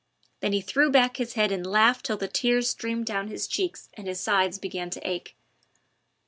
Then he threw back his head and laughed till the tears streamed down his cheeks and his sides began to ache.